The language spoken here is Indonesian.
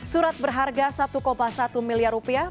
surat berharga satu satu miliar rupiah